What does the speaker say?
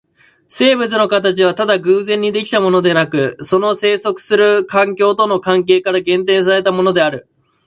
生物の形はただ偶然に出来たものでなく、その棲息する環境との関係から限定されたものである。